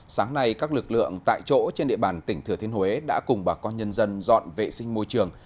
sáng nay các lực lượng tại chỗ trên địa bàn tỉnh thừa thiên huế đã cùng bà con nhân dân dọn vệ sinh môi trường